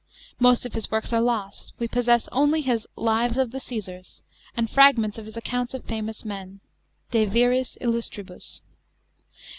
Most of his works are lost. \\ e possess only his Lives of tie Caesars, and fragments of his accounts of famous men (J)e viris illmtribus).